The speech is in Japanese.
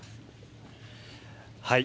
はい。